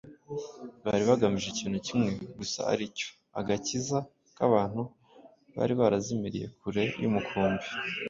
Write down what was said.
Bari bagamije ikintu kimwe gusa ari cyo “agakiza k’abantu bari barazimiriye kure y’umukumbi.”